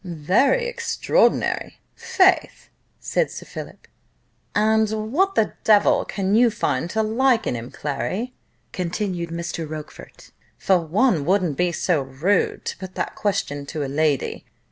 "Very extraordinary, faith," said Sir Philip. "And what the devil can you find to like in him, Clary?" continued Mr. Rochfort, "for one wouldn't be so rude to put that question to a lady.